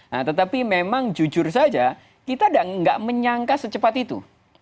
nah tetapi memang jujur saja kita nggak menyangka secepat itu